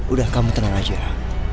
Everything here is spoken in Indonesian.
udah kamu tenang aja